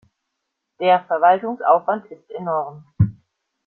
Der Verwaltungsaufwand ist enorm.